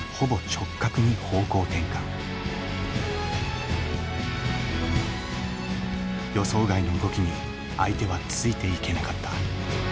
予想外の動きに相手はついていけなかった。